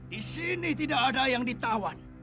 di sini tidak ada yang ditawan